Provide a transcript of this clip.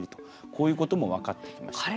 こういうことも分かってきました。